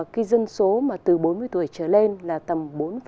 cái dân số mà từ bốn mươi tuổi trở lên là tầm bốn